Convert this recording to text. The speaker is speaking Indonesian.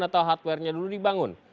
atau hardware nya dulu dibangun